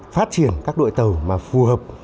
phát triển các đội tàu mà phù hợp